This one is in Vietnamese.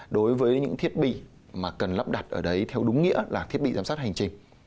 đối với những thiết bị mà cần lắp đặt ở đấy theo đúng nghĩa là thiết bị giám sát hành trình